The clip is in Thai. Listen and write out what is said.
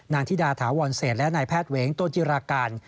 ธิดาถาวรเศษและนายแพทย์เวงโตจิราการ